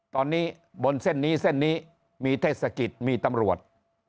ตอนนี้บนเส้นนี้เส้นนี้มีเทศกิจมีตำรวจ